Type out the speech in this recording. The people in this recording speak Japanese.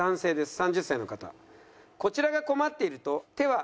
３０歳の方。